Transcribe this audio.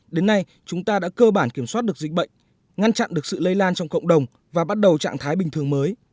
đến nay chúng ta đã cơ bản kiểm soát được dịch bệnh ngăn chặn được sự lây lan trong cộng đồng và bắt đầu trạng thái bình thường mới